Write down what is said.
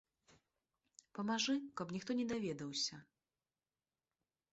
Памажы, каб ніхто не даведаўся.